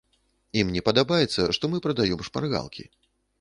Ім не падабацца, што мы прадаём шпаргалкі.